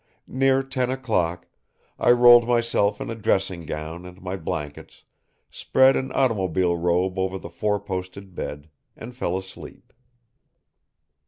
Near ten o'clock, I rolled myself in a dressing gown and my blankets, spread an automobile robe over the four posted bed, and fell asleep.